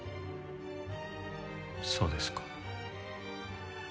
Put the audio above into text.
そうですか。